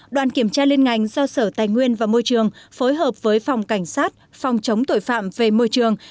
đoàn kiểm tra liên ngành do sở tài nguyên và môi trường phối hợp với phòng cảnh sát phòng chống tội phạm về môi trường